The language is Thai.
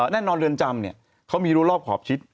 แน่นอนเรือนจำเขามีรัวรอบขอบชิด